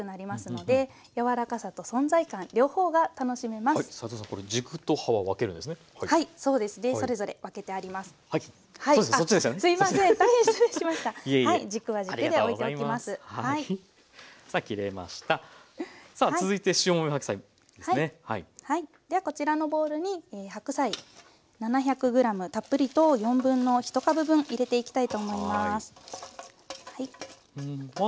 ではこちらのボウルに白菜７００ｇたっぷりと1/4株分入れていきたいと思います。